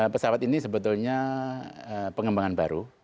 pesawat ini sebetulnya pengembangan baru